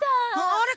あれ？